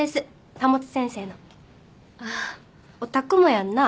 保先生のあっおたくもやんな？